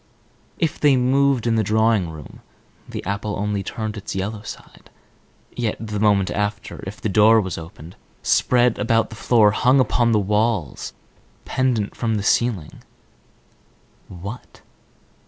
If they moved in the drawing room, the apple only turned its yellow side. Yet, the moment after, if the door was opened, spread about the floor, hung upon the walls, pendant from the ceiling—what?